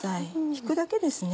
引くだけですね